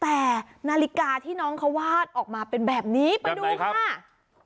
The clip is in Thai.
แต่นาฬิกาที่น้องเขาวาดออกมาเป็นแบบนี้ไปดูค่ะ